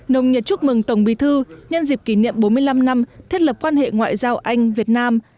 nồng nhiệt chúc mừng tổng bí thư nhân dịp kỷ niệm bốn mươi năm năm thiết lập quan hệ ngoại giao anh việt nam